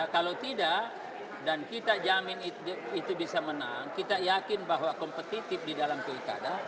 kalau tidak dan kita jamin itu bisa menang kita yakin bahwa kompetitif di dalam pilkada